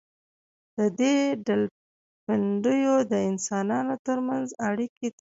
دې ډلبندیو د انسانانو تر منځ اړیکې تنظیم کړې.